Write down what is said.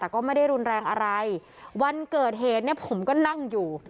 แต่ก็ไม่ได้รุนแรงอะไรวันเกิดเหตุเนี่ยผมก็นั่งอยู่